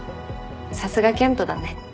さすが健人だね。